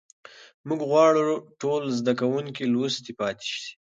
موږ غواړو ټول زده کوونکي لوستي پاتې سي.